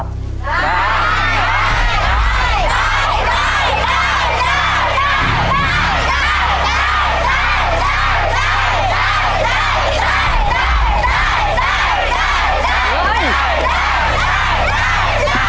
ได้